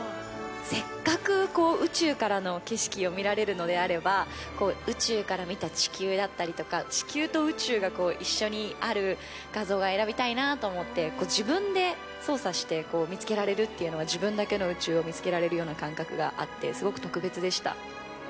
せっかくこう宇宙からの景色を見られるのであれば、宇宙から見た地球だったりとか、地球と宇宙が一緒にある画像が選びたいなと思って、自分で操作して見つけられるっていうのは、自分だけの宇宙を見つけられるような感覚があって、すごく特別でした。